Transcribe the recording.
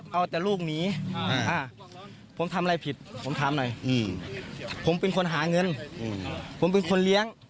เอาแต่ลูกหนีผมทำอะไรผิดผมถามหน่อยผมเป็นคนหาเงินผมเป็นคนเลี้ยง